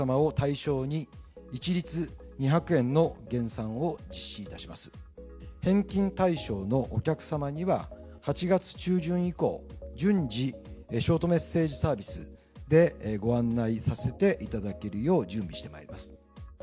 更に返金対象のお客様には８月中旬以降、順次、ショートメッセージサービスでご案内させていただけるよう準備してまいります。